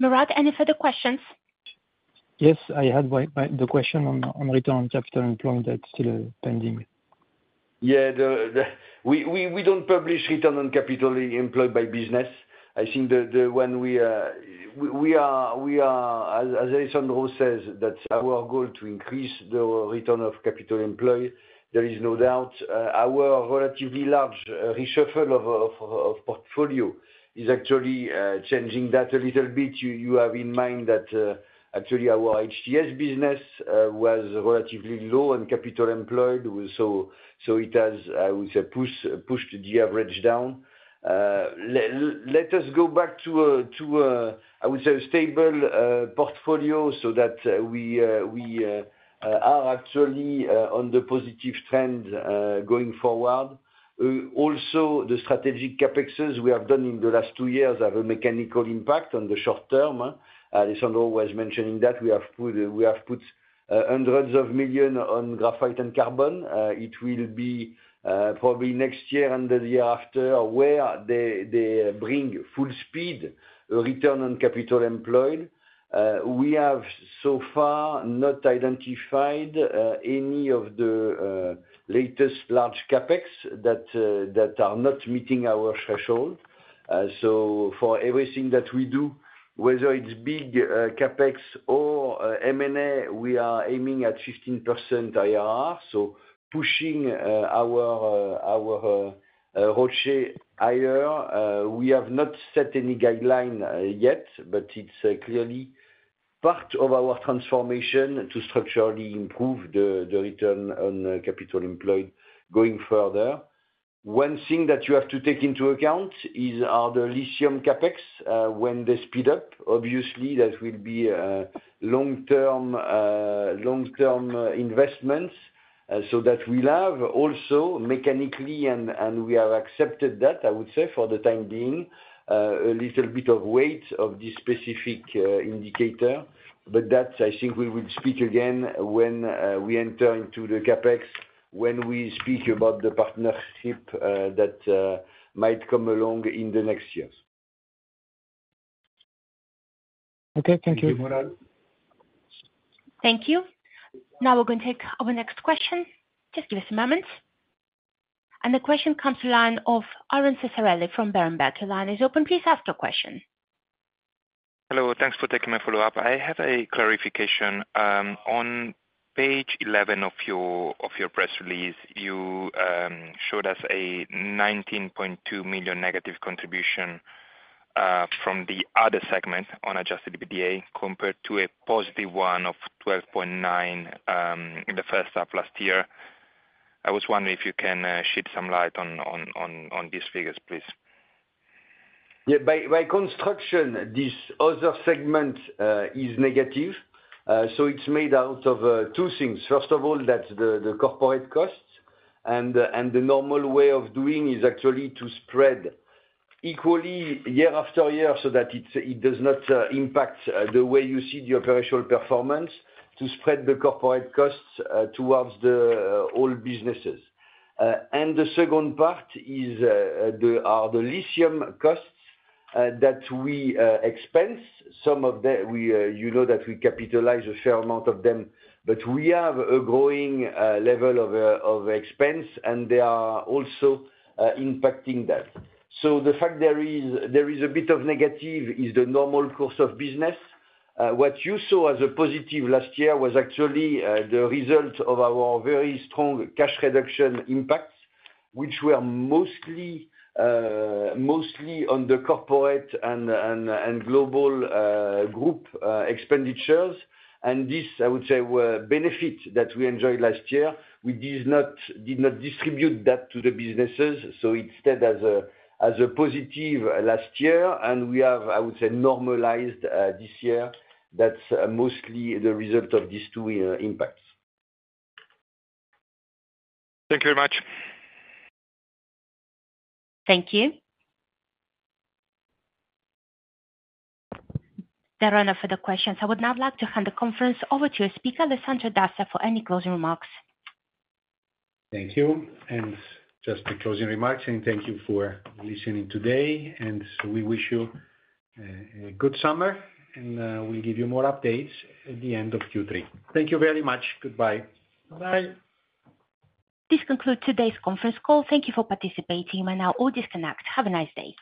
Mourad, any further questions? Yes, I had my. The question on return on capital employed that's still pending. Yeah, we don't publish return on capital employed by business. I think that when we are, as Alessandro says, our goal to increase the return of capital employed, there is no doubt. Our relatively large reshuffle of portfolio is actually changing that a little bit. You have in mind that actually, our HTS business was relatively low on capital employed, so it has, we say, pushed the average down. Let us go back to a, I would say, a stable portfolio, so that we are actually on the positive trend going forward. Also, the strategic CapExes we have done in the last two years have a mechanical impact on the short term. Alessandro was mentioning that we have put hundreds of millions EUR on graphite and carbon. It will be probably next year and the year after, where they bring full speed return on capital employed. We have so far not identified any of the latest large CapEx that are not meeting our threshold.... so for everything that we do, whether it's big CapEx or M&A, we are aiming at 15% IRR, so pushing our ROCE higher. We have not set any guideline yet, but it's clearly part of our transformation to structurally improve the return on capital employed going further. One thing that you have to take into account is the lithium CapEx when they speed up. Obviously, that will be long-term investments, so that we'll have also mechanically, and we have accepted that, I would say for the time being, a little bit of weight of this specific indicator. But that, I think we will speak again when we enter into the CapEx, when we speak about the partnership that might come along in the next years. Okay, thank you. Thank you, Mourad. Thank you. Now we're gonna take our next question. Just give us a moment. And the question comes to line of Aaron Ciccarelli from Berenberg. The line is open, please ask your question. Hello, thanks for taking my follow-up. I have a clarification. On page 11 of your press release, you showed us a negative 19.2 million contribution from the other segment on adjusted EBITDA compared to a positive 12.9 million in the first half last year. I was wondering if you can shed some light on these figures, please. Yeah, by construction, this other segment is negative. So it's made out of two things. First of all, that's the corporate costs, and the normal way of doing is actually to spread equally year after year, so that it does not impact the way you see your commercial performance, to spread the corporate costs towards the old businesses. And the second part is the lithium costs that we expense. Some of them, you know, that we capitalize a fair amount of them, but we have a growing level of expense, and they are also impacting that. So the fact there is a bit of negative is the normal course of business. What you saw as a positive last year was actually the result of our very strong cash reduction impacts, which were mostly on the corporate and global group expenditures. And this, I would say, were benefit that we enjoyed last year. We did not distribute that to the businesses, so it stood as a positive last year, and we have, I would say, normalized this year. That's mostly the result of these two impacts. Thank you very much. Thank you. There are no further questions. I would now like to hand the conference over to a speaker, Alessandro Dazza, for any closing remarks. Thank you, and just the closing remarks, and thank you for listening today, and we wish you a good summer, and we'll give you more updates at the end of Q3. Thank you very much. Goodbye. Bye. This concludes today's conference call. Thank you for participating. You may now all disconnect. Have a nice day.